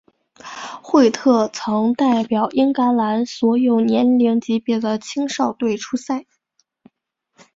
惠特曾代表英格兰所有年龄级别的青少队出赛。